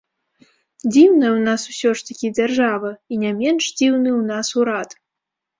Дзіўная ў нас усё ж такі дзяржава, і не менш дзіўны ў нас урад.